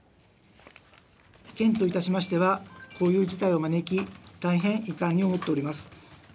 県といたしましては、こういう事態を招き、大変遺憾に思っております。